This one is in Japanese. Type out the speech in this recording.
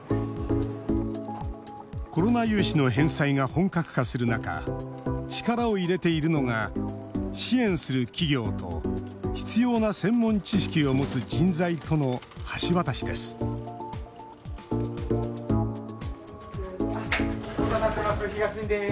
コロナ融資の返済が本格化する中力を入れているのが支援する企業と必要な専門知識を持つ人材との橋渡しです